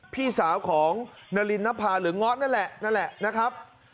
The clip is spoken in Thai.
พี่สาวของนารินนภาหรือเงาะนั่นแหละนั่นแหละนะครับ